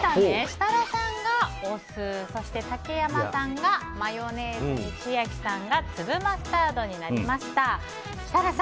設楽さんがお酢竹山さんがマヨネーズ千秋さんが粒マスタードになりました。